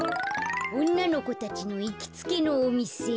おんなのこたちのいきつけのおみせ。